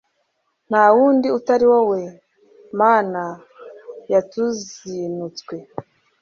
nta wundi utari wowe, mana yatuzinutswe